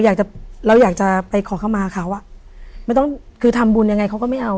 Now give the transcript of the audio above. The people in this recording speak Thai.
เราอยากจะไปขอเข้ามาเขาอ่ะไม่ต้องคือทำบุญยังไงเขาก็ไม่เอา